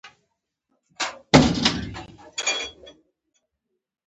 خو اوس په شمال کې هم ملي حس پیاوړی کېږي.